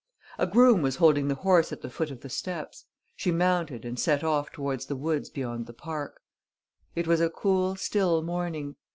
A groom was holding the horse at the foot of the steps. She mounted and set off towards the woods beyond the park. It was a cool, still morning.